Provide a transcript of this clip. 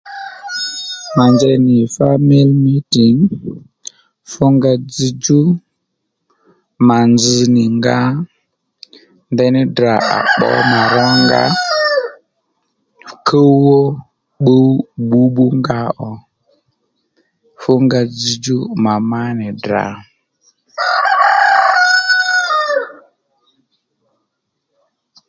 Mà njey nì fámilí mǐtìŋ fúnga dzzdjú mà nzz nì nga ndení Ddrà à pbǒ mà rónga ków ó pbǔw bbǔbbínga ò fúnga dzzdjú mà má nì Ddrà